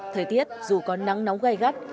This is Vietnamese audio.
thời tiết dù có nắng nóng gai gắt